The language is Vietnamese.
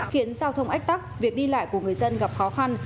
khiến giao thông ách tắc việc đi lại của người dân gặp khó khăn